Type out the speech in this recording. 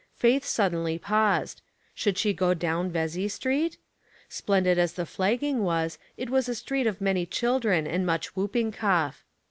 Faith suddenly paused. Should she go down Vesey Street? Splendid as the flagging was, it was a street of many children and much whooping cough.